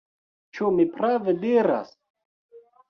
Ĉu mi prave diras?